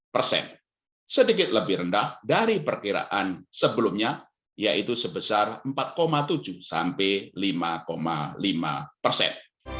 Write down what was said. persen sedikit lebih rendah dari perkiraan sebelumnya yaitu sebesar empat tujuh sampai lima lima persen